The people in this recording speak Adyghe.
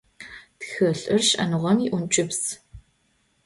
Тхылъыр - шӏэныгъэм иӏункӏыбз.